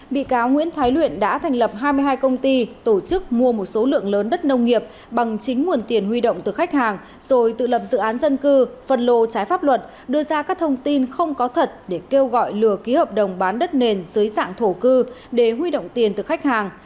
bị cáo nguyễn thái luyện đã thành lập hai mươi hai công ty tổ chức mua một số lượng lớn đất nông nghiệp bằng chính nguồn tiền huy động từ khách hàng rồi tự lập dự án dân cư phân lô trái pháp luật đưa ra các thông tin không có thật để kêu gọi lừa ký hợp đồng bán đất nền dưới dạng thổ cư để huy động tiền từ khách hàng